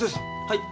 はい。